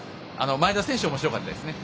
前田選手、おもしろかったですね。